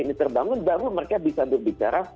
ini terbangun baru mereka bisa berbicara